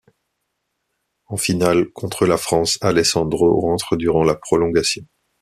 En finale, contre la France, Alessandro rentre durant la prolongation.